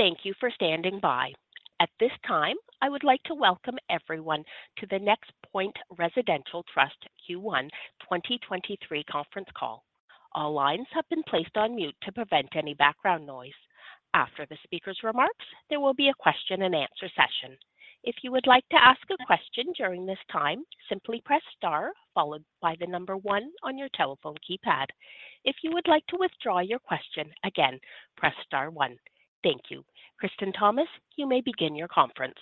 Thank you for standing by. At this time, I would like to welcome everyone to the NexPoint Residential Trust Q1 2023 Conference Call. All lines have been placed on mute to prevent any background noise. After the speaker's remarks, there will be a question-and-answer session. If you would like to ask a question during this time, simply press star followed by the number one on your telephone keypad. If you would like to withdraw your question, again, press star one. Thank you. Kristen Thomas, you may begin your conference.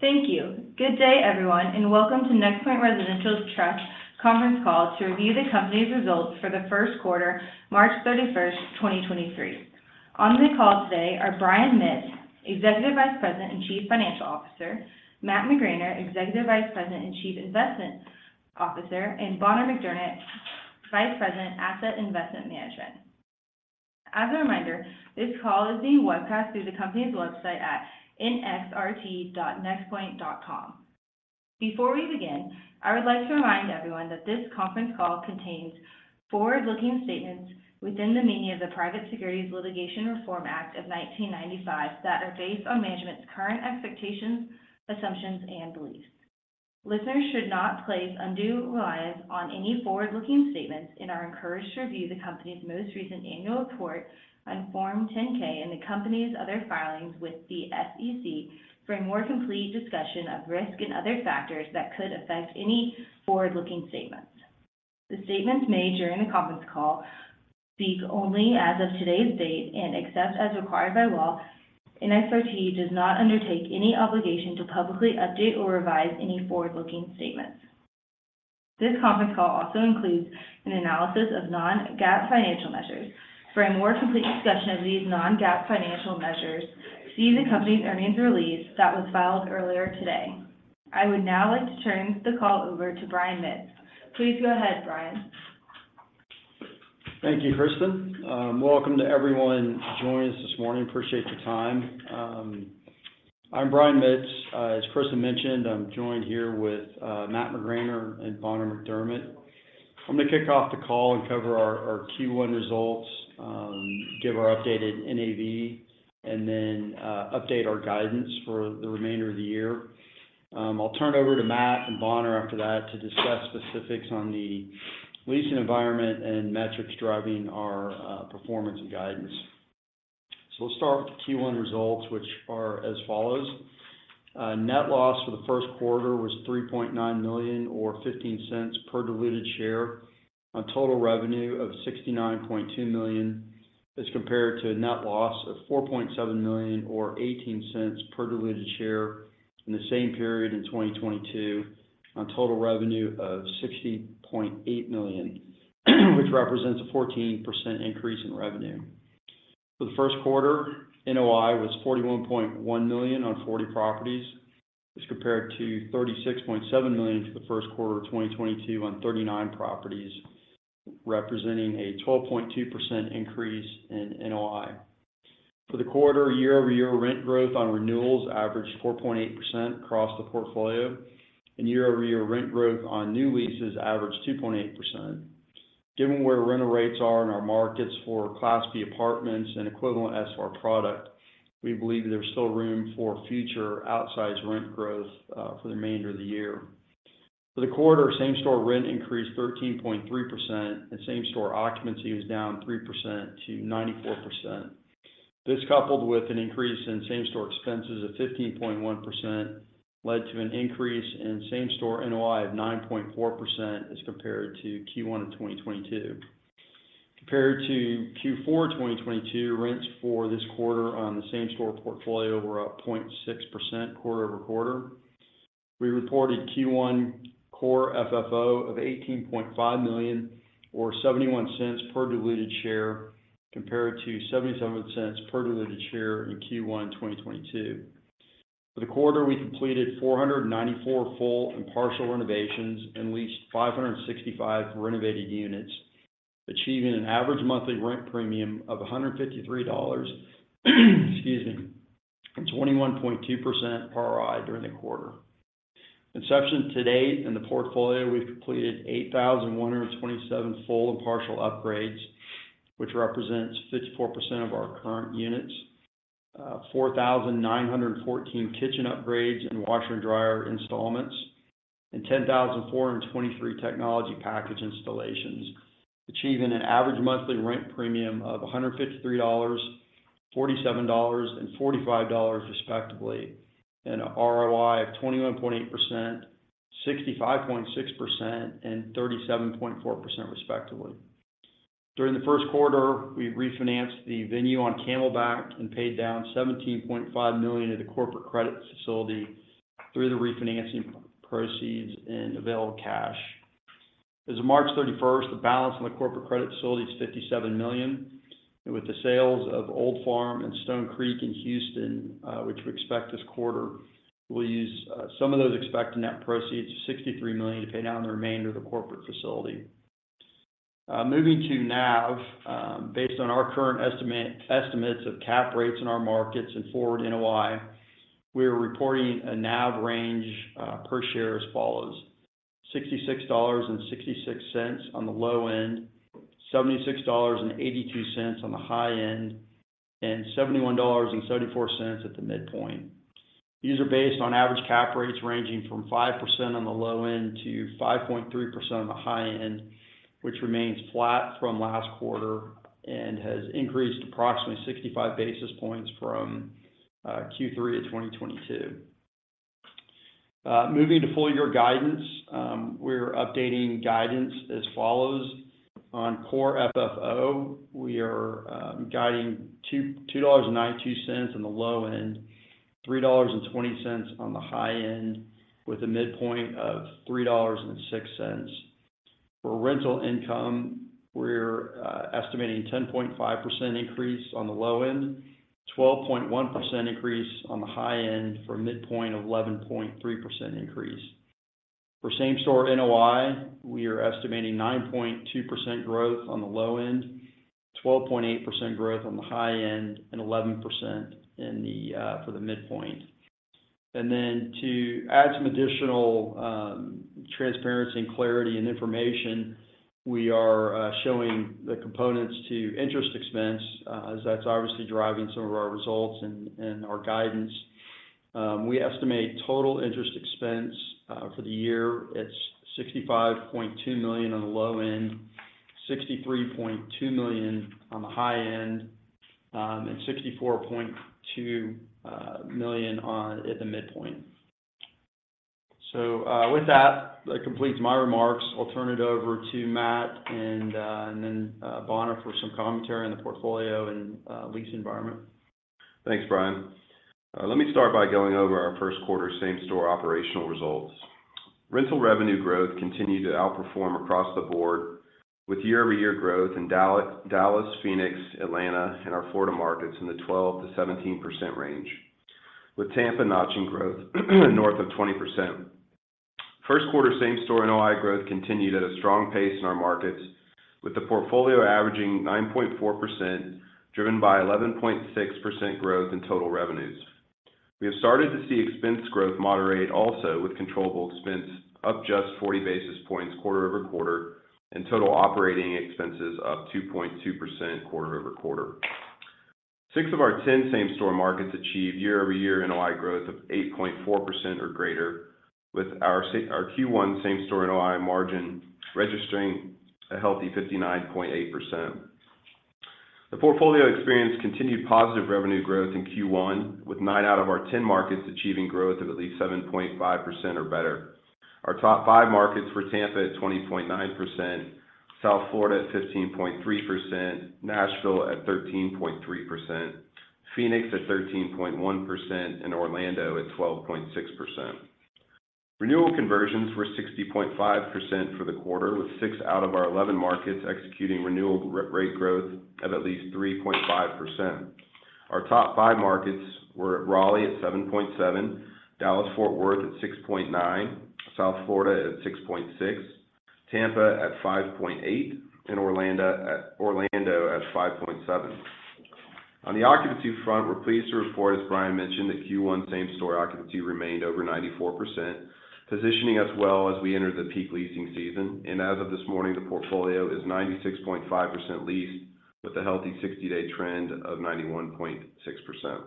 Thank you. Good day, everyone, and welcome to NexPoint Residential Trust conference call to review the company's results for the first quarter, March 31, 2023. On the call today are Brian Mitts, Executive Vice President and Chief Financial Officer; Matt McGraner, Executive Vice President and Chief Investment Officer; and Bonner McDermett, Vice President, Asset and Investment Management. As a reminder, this call is being webcast through the company's website at nxrt.nexpoint.com. Before we begin, I would like to remind everyone that this conference call contains forward-looking statements within the meaning of the Private Securities Litigation Reform Act of 1995 that are based on management's current expectations, assumptions, and beliefs. Listeners should not place undue reliance on any forward-looking statements and are encouraged to review the company's most recent annual report on Form 10-K and the company's other filings with the SEC for a more complete discussion of risk and other factors that could affect any forward-looking statements. The statements made during the conference call speak only as of today's date and except as required by law, NXRT does not undertake any obligation to publicly update or revise any forward-looking statements. This conference call also includes an analysis of non-GAAP financial measures. For a more complete discussion of these non-GAAP financial measures, see the company's earnings release that was filed earlier today. I would now like to turn the call over to Brian Mitts. Please go ahead, Brian. Thank you, Kristen. Welcome to everyone joining us this morning. Appreciate your time. I'm Brian Mitts. As Kristen mentioned, I'm joined here with Matt McGraner and Bonner McDermett. I'm gonna kick off the call and cover our Q1 results, give our updated NAV, and then update our guidance for the remainder of the year. I'll turn it over to Matt and Bonner after that to discuss specifics on the leasing environment and metrics driving our performance and guidance. Let's start with the Q1 results, which are as follows. Net loss for the first quarter was $3.9 million or $0.15 per diluted share on total revenue of $69.2 million as compared to a net loss of $4.7 million or $0.18 per diluted share in the same period in 2022 on total revenue of $60.8 million, which represents a 14% increase in revenue. For the first quarter, NOI was $41.1 million on 40 properties as compared to $36.7 million for the first quarter of 2022 on 39 properties, representing a 12.2% increase in NOI. For the quarter, year-over-year rent growth on renewals averaged 4.8% across the portfolio, and year-over-year rent growth on new leases averaged 2.8%. Given where rental rates are in our markets for Class B apartments and equivalent SFR product, we believe there's still room for future outsized rent growth for the remainder of the year. For the quarter, same-store rent increased 13.3% and same-store occupancy was down 3% -94%. This coupled with an increase in same-store expenses of 15.1% led to an increase in same-store NOI of 9.4% as compared to Q1 2022. Compared to Q4 2022, rents for this quarter on the same-store portfolio were up 0.6% quarter-over-quarter. We reported Q1 Core FFO of $18.5 million or $0.71 per diluted share compared to $0.77 per diluted share in Q1 2022. For the quarter, we completed 494 full and partial renovations and leased 565 renovated units, achieving an average monthly rent premium of $153, excuse me, and 21.2% ROI during the quarter. Inception to date in the portfolio, we've completed 8,127 full and partial upgrades, which represents 54% of our current units, 4,914 kitchen upgrades and washer and dryer installments, and 10,423 technology package installations, achieving an average monthly rent premium of $153, $47 and $45 respectively, and an ROI of 21.8%, 65.6%, and 37.4% respectively. During the first quarter, we refinanced the Venue on Camelback and paid down $17.5 million of the corporate credit facility through the refinancing proceeds and available cash. As of March 31st, the balance on the corporate credit facility is $57 million. With the sales of Old Farm and Stone Creek in Houston, which we expect this quarter, we'll use some of those expected net proceeds of $63 million to pay down the remainder of the corporate facility. Moving to NAV, based on our current estimate, estimates of cap rates in our markets and forward NOI, we are reporting a NAV range per share as follows: $66.66 on the low end, $76.82 on the high end, and $71.74 at the midpoint. These are based on average cap rates ranging from 5% on the low end to 5.3% on the high end, which remains flat from last quarter and has increased approximately 65 basis points from Q3 of 2022. Moving to full-year guidance, we're updating guidance as follows. On Core FFO, we are guiding $2.92 on the low end, $3.20 on the high end, with a midpoint of $3.06. For rental income, we're estimating 10.5% increase on the low end, 12.1% increase on the high end for a midpoint of 11.3% increase. For same store NOI, we are estimating 9.2% growth on the low end, 12.8% growth on the high end, and 11% for the midpoint. To add some additional transparency and clarity and information, we are showing the components to interest expense, as that's obviously driving some of our results and our guidance. We estimate total interest expense for the year at $65.2 million on the low end, $63.2 million on the high end, and $64.2 million at the midpoint. With that completes my remarks. I'll turn it over to Matt and then Bonner for some commentary on the portfolio and lease environment. Thanks, Brian. Let me start by going over our first quarter same-store operational results. Rental revenue growth continued to outperform across the board with year-over-year growth in Dallas, Phoenix, Atlanta, and our Florida markets in the 12%-17% range, with Tampa notching growth north of 20%. First quarter same-store NOI growth continued at a strong pace in our markets, with the portfolio averaging 9.4%, driven by 11.6% growth in total revenues. We have started to see expense growth moderate also with controllable expense up just 40 basis points quarter-over-quarter, and total operating expenses up 2.2% quarter-over-quarter. Six of our 10 same-store markets achieved year-over-year NOI growth of 8.4% or greater, with our Q1 same-store NOI margin registering a healthy 59.8%. The portfolio experienced continued positive revenue growth in Q1, with 9 out of our 10 markets achieving growth of at least 7.5% or better. Our top 5 markets were Tampa at 20.9%, South Florida at 15.3%, Nashville at 13.3%, Phoenix at 13.1%, and Orlando at 12.6%. Renewal conversions were 60.5% for the quarter, with 6 out of our 11 markets executing renewal rate growth of at least 3.5%. Our top 5 markets were Raleigh at 7.7%, Dallas-Fort Worth at 6.9%, South Florida at 6.6%, Tampa at 5.8%, and Orlando at 5.7%. On the occupancy front, we're pleased to report, as Brian mentioned, that Q1 same-store occupancy remained over 94%, positioning us well as we enter the peak leasing season. As of this morning, the portfolio is 96.5% leased, with a healthy 60-day trend of 91.6%.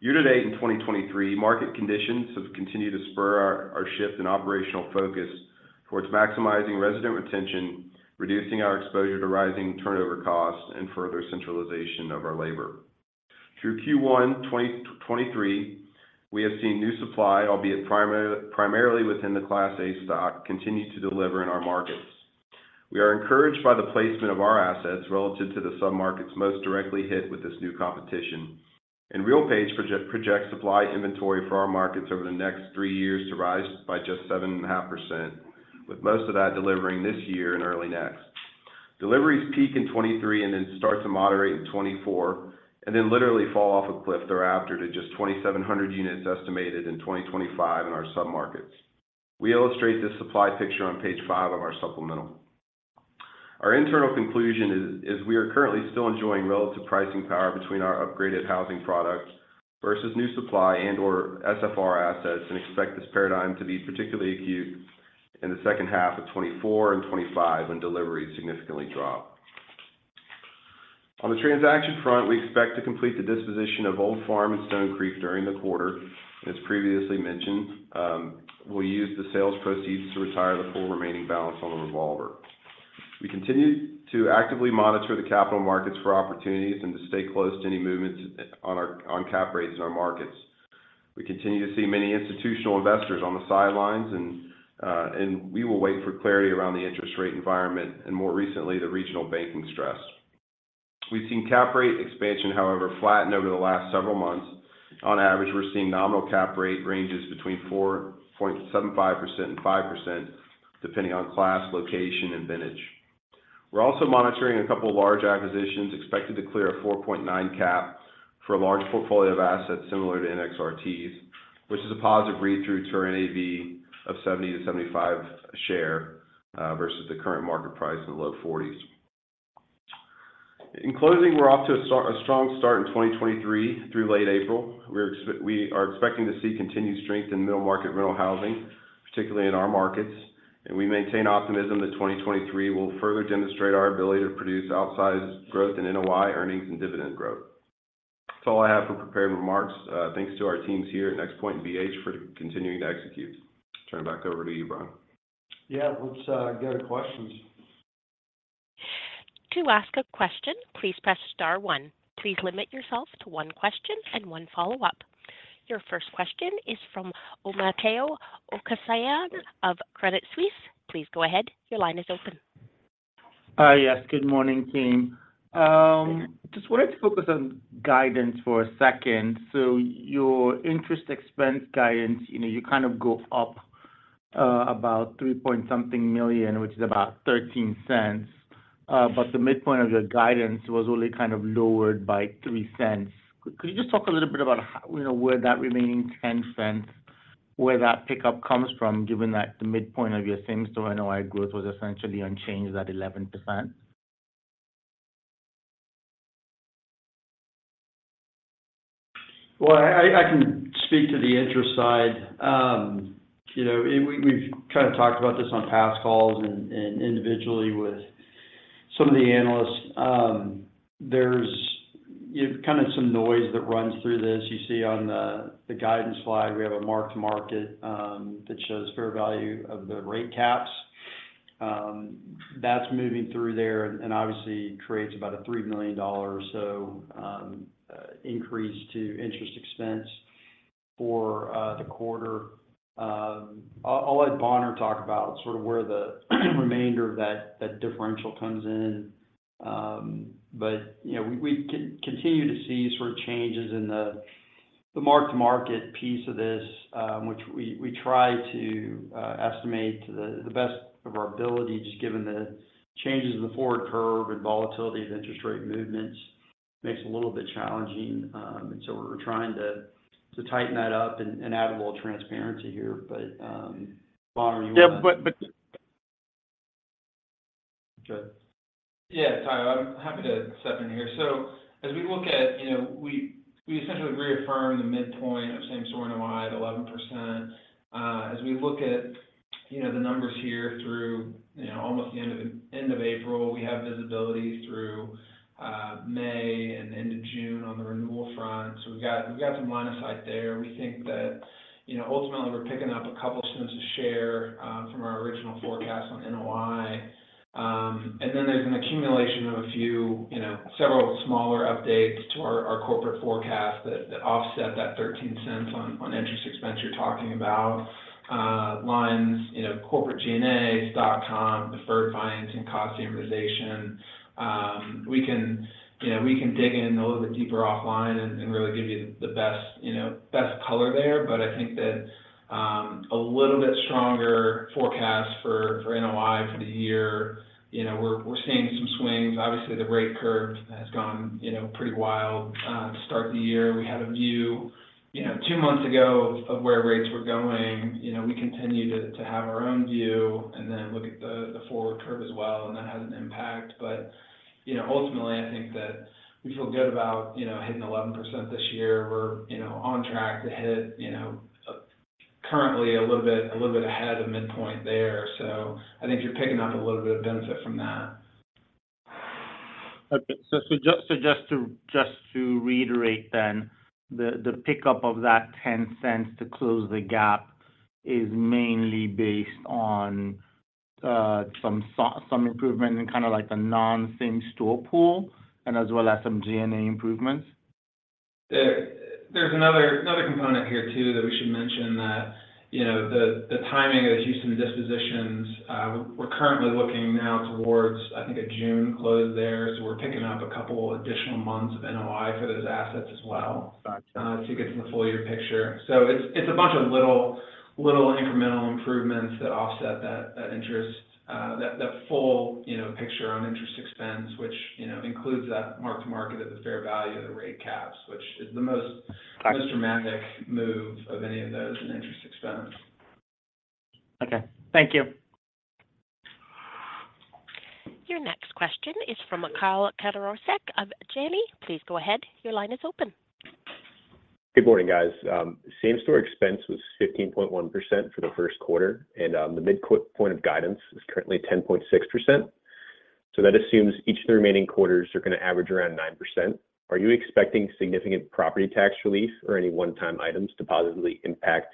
Year to date in 2023, market conditions have continued to spur our shift in operational focus towards maximizing resident retention, reducing our exposure to rising turnover costs, and further centralization of our labor. Through Q1 2023, we have seen new supply, albeit primarily within the Class A stock, continue to deliver in our markets. We are encouraged by the placement of our assets relative to the submarkets most directly hit with this new competition. RealPage projects supply inventory for our markets over the next three years to rise by just 7.5%, with most of that delivering this year and early next. Deliveries peak in 2023 and then start to moderate in 2024, and then literally fall off a cliff thereafter to just 2,700 units estimated in 2025 in our submarkets. We illustrate this supply picture on page five of our supplemental. Our internal conclusion is we are currently still enjoying relative pricing power between our upgraded housing products versus new supply and/or SFR assets, and expect this paradigm to be particularly acute in the second half of 2024 and 2025 when deliveries significantly drop. On the transaction front, we expect to complete the disposition of Old Farm and Stone Creek during the quarter. As previously mentioned, we'll use the sales proceeds to retire the full remaining balance on the revolver. We continue to actively monitor the capital markets for opportunities and to stay close to any movements on cap rates in our markets. We continue to see many institutional investors on the sidelines and we will wait for clarity around the interest rate environment and more recently, the regional banking stress. We've seen cap rate expansion, however, flatten over the last several months. On average, we're seeing nominal cap rate ranges between 4.75% and 5% depending on class, location, and vintage. We're also monitoring a couple large acquisitions expected to clear a 4.9 cap for a large portfolio of assets similar to NXRT's, which is a positive read-through to our NAV of $70-$75 a share, versus the current market price in the low $40s. In closing, we're off to a strong start in 2023 through late April. We are expecting to see continued strength in middle market rental housing, particularly in our markets, and we maintain optimism that 2023 will further demonstrate our ability to produce outsized growth in NOI earnings and dividend growth. That's all I have for prepared remarks. Thanks to our teams here at NexPoint and BH for continuing to execute. Turn it back over to you, Brian. Let's go to questions. To ask a question, please press star one. Please limit yourself to one question and one follow-up. Your first question is from Omotayo Okusanya of Credit Suisse. Please go ahead. Your line is open. Hi. Yes, good morning, team. Just wanted to focus on guidance for a second. Your interest expense guidance you go up about $3.something million, which is about $0.13. The midpoint of your guidance was only kind of lowered by $0.03. Could you just talk a little bit about where that remaining $0.10, where that pickup comes from, given that the midpoint of your same-store NOI growth was essentially unchanged at 11%? I can speak to the interest side. We've talked about this on past calls and individually with some of the analysts. There's kind of some noise that runs through this. You see on the guidance slide, we have a mark-to-market that shows fair value of the rate caps. That's moving through there and obviously creates about a $3 million or so increase to interest expense for the quarter. I'll let Bonner talk about sort of where the remainder of that differential comes in. We continue to see sort of changes in the mark-to-market piece of this, which we try to estimate to the best of our ability, just given the changes in the forward curve and volatility of interest rate movements makes it a little bit challenging. We're trying to tighten that up and add a little transparency here. Go ahead. Tayo, I'm happy to step in here. As we look at, we essentially reaffirm the midpoint of same-store NOI at 11%. As we look at the numbers here through almost the end of April, we have visibility through May and into June on the renewal front. We've got some line of sight there. We think that ultimately, we're picking up a couple cents a share from our original forecast on NOI. Then there's an accumulation of a few several smaller updates to our corporate forecast that offset that $0.13 on interest expense you're talking about. Lines, corporate G&A, stock comp, deferred financing, cost amortization. We can dig in a little bit deeper offline and really give you the best color there. I think that, a little bit stronger forecast for NOI for the year. We're seeing some swings. Obviously, the rate curve has gone pretty wild to start the year. We had a view two months ago of where rates were going. We continue to have our own view and then look at the forward curve as well, and that has an impact. Ultimately, I think that we feel good about hitting 11% this year. We're on track to hit currently a little bit ahead of midpoint there. You're picking up a little bit of benefit from that. Just to reiterate then, the pickup of that $0.10 to close the gap is mainly based on some improvement in kinda like the non-same store pool and as well as some G&A improvements. There's another component here too that we should mention that the timing of the Houston dispositions, we're currently looking now towards a June close there. We're picking up a couple additional months of NOI for those assets as well, to get to the full-year picture. It's a bunch of little incremental improvements that offset that interest, that full picture on interest expense, which includes that mark-to-market at the fair value of the rate caps, which is the most dramatic move of any of those in interest expense. Thank you. Your next question is from Kyle Katorincek of Janney. Please go ahead. Your line is open. Good morning, guys. Same-store expense was 15.1% for the first quarter. The point of guidance is currently 10.6%. That assumes each of the remaining quarters are gonna average around 9%. Are you expecting significant property tax relief or any one-time items to positively impact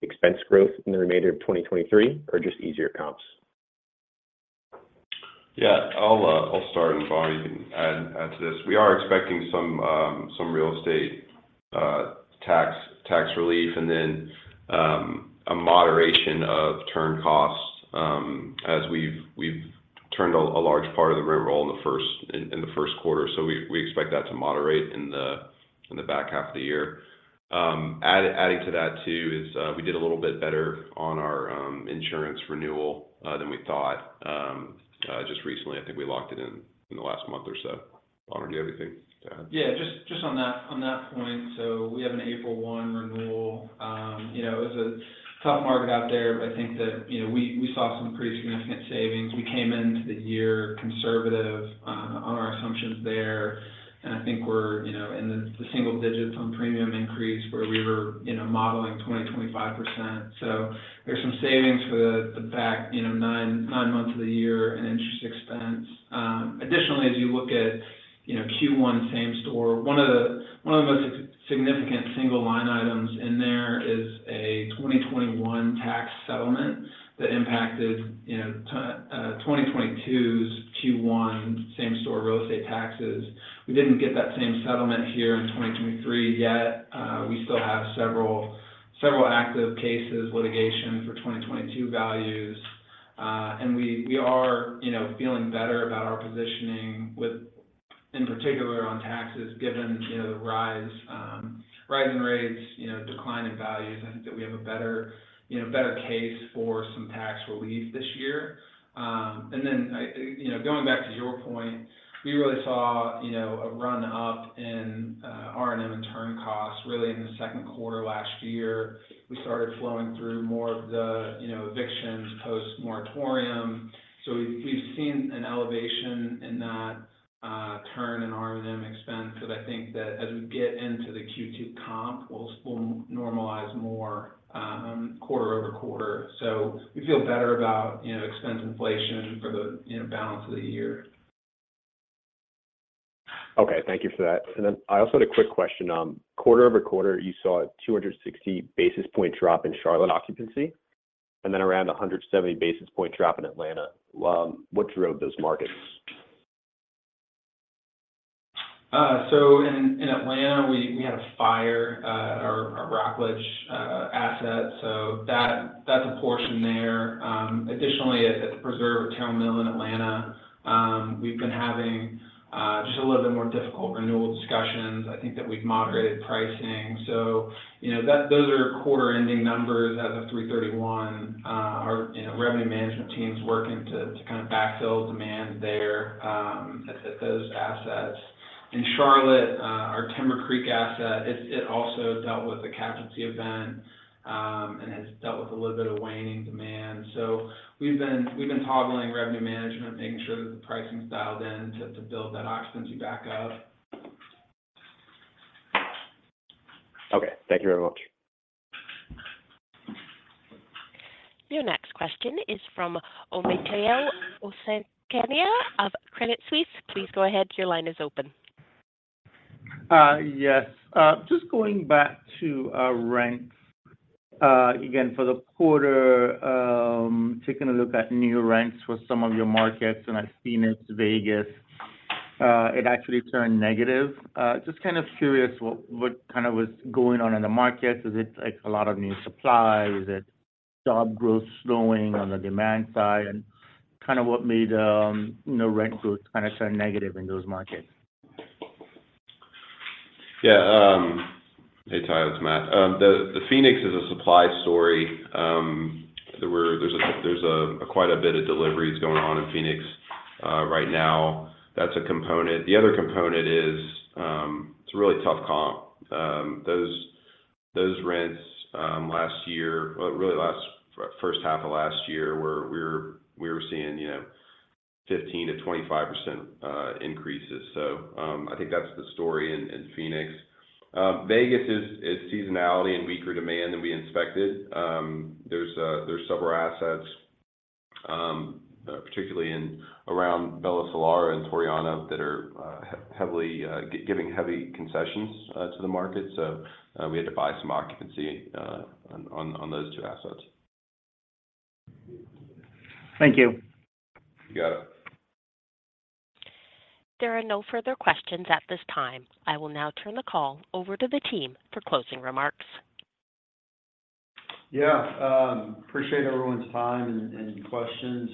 expense growth in the remainder of 2023, or just easier comps? I'll start, Bonner, you can add to this. We are expecting some real estate tax relief and then a moderation of turn costs as we've turned a large part of the rent roll in the first quarter. We expect that to moderate in the back half of the year. Adding to that too is we did a little bit better on our insurance renewal than we thought. Just recently, I think we locked it in in the last month or so. Bonner, do you have anything to add? Just on that, on that point. We have an April 1 renewal. It was a tough market out there, but I think that we saw some pretty significant savings. We came into the year conservative on our assumptions there, and We're in the single digits on premium increase where we were modeling 20%-25%. There's some savings for the back 9 months of the year in interest expense. Additionally, as you look at Q1 same store, one of the, one of the most significant single line items in there is a 2021 tax settlement that impacted 2022's Q1 same store real estate taxes. We didn't get that same settlement here in 2023 yet. We still have several active cases, litigation for 2022 values. We are feeling better about our positioning in particular on taxes given the rise, rising rates decline in values. I think that we have a better case for some tax relief this year. Then going back to your point, we really saw a run-up in R&M and turn costs really in the second quarter last year. We started flowing through more of the evictions post-moratorium. We've seen an elevation in that, turn in R&M expense that I think that as we get into the Q2 comp, we'll normalize more, quarter-over-quarter. We feel better about expense inflation for the balance of the year. Thank you for that. I also had a quick question. Quarter-over-quarter, you saw a 260 basis point drop in Charlotte occupancy, and then around a 170 basis point drop in Atlanta. What drove those markets? In Atlanta, we had a fire at our Rockledge asset, that's a portion there. Additionally, at The Preserve at Terrell Mill in Atlanta, we've been having just a little bit more difficult renewal discussions. I think that we've moderated pricing. Those are quarter-ending numbers as of 3/31. Our revenue management team's working to kind of backfill demand there at those assets. In Charlotte, our Timber Creek asset also dealt with a casualty event and has dealt with a little bit of waning demand. We've been toggling revenue management, making sure that the pricing's dialed in to build that occupancy back up. Thank you very much. Your next question is from Omotayo Okusanya of Credit Suisse. Please go ahead. Your line is open. Yes. Just going back to rents again for the quarter, taking a look at new rents for some of your markets, and I've seen it's Vegas, it actually turned negative. Just curious what kind of was going on in the markets? Is it a lot of new supply? Is it job growth slowing on the demand side? What made rent growth turn negative in those markets? Hey, Tay, it's Matt. The Phoenix is a supply story. There's a quite a bit of deliveries going on in Phoenix right now. That's a component. The other component is, it's a really tough comp. Those rents last year, well, really first half of last year, we were seeing, you know, 15%-25% increases. I think that's the story in Phoenix. Vegas is seasonality and weaker demand than we inspected. There's several assets, particularly in around Bella Solara and Torreyana that are heavily giving heavy concessions to the market. We had to buy some occupancy on those two assets. Thank you. You got it. There are no further questions at this time. I will now turn the call over to the team for closing remarks. Appreciate everyone's time and questions.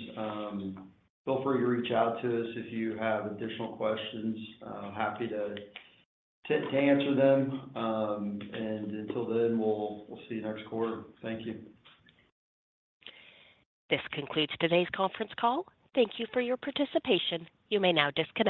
Feel free to reach out to us if you have additional questions. Happy to answer them. Until then, we'll see you next quarter. Thank you. This concludes today's conference call. Thank you for your participation. You may now disconnect.